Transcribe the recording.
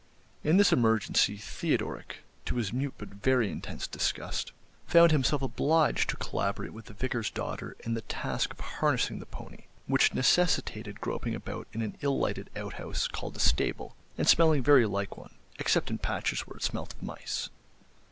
In this emergency Theodoric, to his mute but very intense disgust, found himself obliged to collaborate with the vicar's daughter in the task of harnessing the pony, which necessitated groping about in an ill lighted outhouse called a stable, and smelling very like one—except in patches where it smelt of mice.